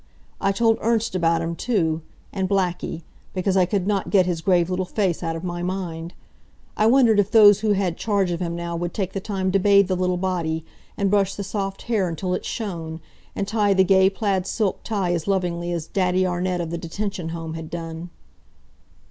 I told Ernst about him too, and Blackie, because I could not get his grave little face out of my mind. I wondered if those who had charge of him now would take the time to bathe the little body, and brush the soft hair until it shone, and tie the gay plaid silk tie as lovingly as "Daddy" Arnett of the Detention Home had done.